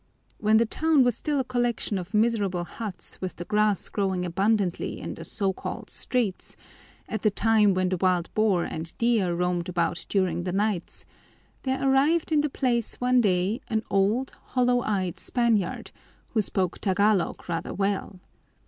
When the town was still a collection of miserable huts with the grass growing abundantly in the so called streets, at the time when the wild boar and deer roamed about during the nights, there arrived in the place one day an old, hollow eyed Spaniard, who spoke Tagalog rather well.